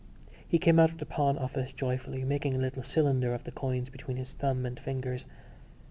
He came out of the pawn office joyfully, making a little cylinder, of the coins between his thumb and fingers.